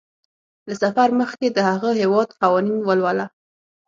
له سفر مخکې د هغه هیواد قوانین ولوله.